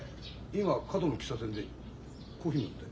今角の喫茶店でコーヒー飲んでたよ。